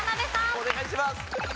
お願いします！